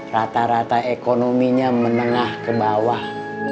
rata rata ekonominya menengah ke bawah